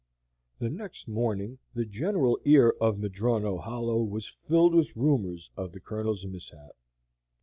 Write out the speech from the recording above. The next morning the general ear of Madrono Hollow was filled with rumors of the Colonel's mishap.